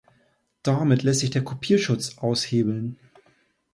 Damit lässt sich der Kopierschutz aushebeln.